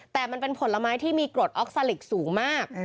แต่มันเป็นผลไม้ที่มีกรดออกซาลิกสูงมาก